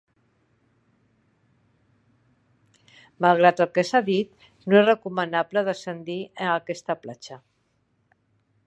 Malgrat el que s'ha dit, no és recomanable descendir a aquesta platja.